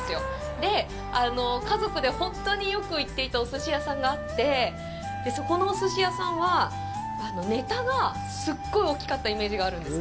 で、家族で本当によく行っていたおすし屋さんがあってそこのおすし屋さんはネタがすっごい大きかったイメージがあるんです。